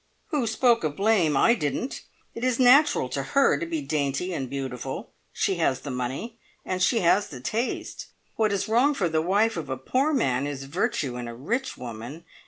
"Who spoke of blame? I didn't! It is natural to her to be dainty and beautiful. She has the money, and she has the taste. What is wrong for the wife of a poor man is a virtue in a rich woman.